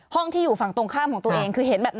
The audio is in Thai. ห้องที่อยู่ฝั่งตรงข้ามของตัวเอง